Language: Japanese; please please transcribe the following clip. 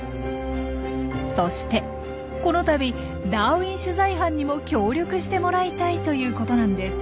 そしてこのたびダーウィン取材班にも協力してもらいたいということなんです。